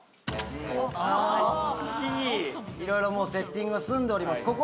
いろいろセッティングは済んでおります。